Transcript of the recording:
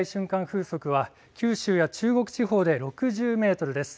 風速は九州や中国地方で６０メートルです。